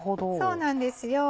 そうなんです。